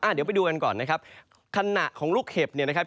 เดี๋ยวไปดูกันก่อนนะครับขณะของลูกเห็บเนี่ยนะครับ